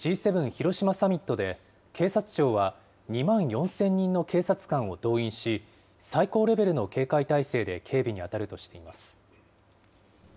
広島サミットで、警察庁は、２万４０００人の警察官を動員し、最高レベルの警戒態勢で警備に当たるとしています。